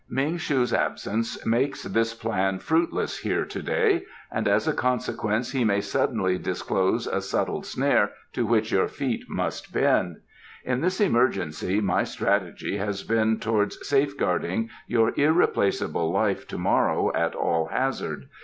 "Ming shu's absence makes this plan fruitless here to day, and as a consequence he may suddenly disclose a subtle snare to which your feet must bend. In this emergency my strategy has been towards safeguarding your irreplaceable life to morrow at all hazard.